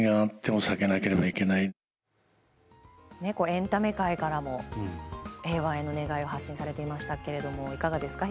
エンタメ界からも平和への願いを発信されていましたがいかがですか？